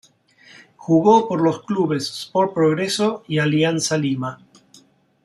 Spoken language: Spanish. Jugó por los clubes Sport Progreso y Alianza Lima.